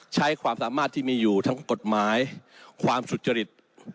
ใช้ความสามารถที่มีอยู่ทั้งกฎหมายความสุจริต